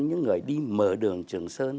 những người đi mở đường trường sơn